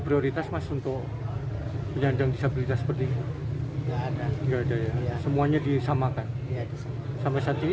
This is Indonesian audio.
prioritas mas untuk penyandang disabilitas seperti ini semuanya disamakan sampai saat ini